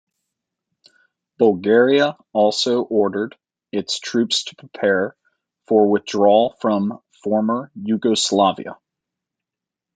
Bulgaria also ordered its troops to prepare for withdrawal from former Yugoslavia.